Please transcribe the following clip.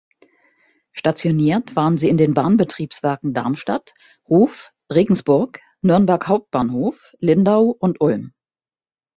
Stationiert waren sie in den Bahnbetriebswerken Darmstadt, Hof, Regensburg, Nürnberg Hbf, Lindau und Ulm.